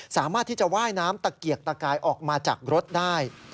สามารถที่จะว่ายน้ำตะเกียกตะกายออกมาจากรถได้